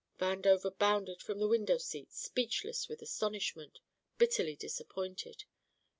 Vandover bounded from the window seat speechless with astonishment, bitterly disappointed.